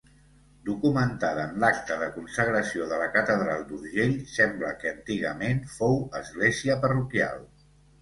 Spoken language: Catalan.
Documentada en l'acta de consagració de la catedral d'Urgell, sembla que antigament fou església parroquial.